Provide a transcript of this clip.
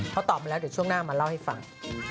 เขาตอบมาแล้วเดี๋ยวช่วงหน้ามาเล่าให้ฟัง